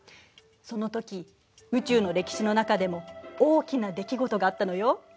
そのとき宇宙の歴史の中でも大きな出来事があったのよ。